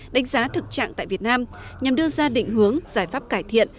đánh giá thực trạng tại việt nam nhằm đưa ra định hướng giải pháp cải thiện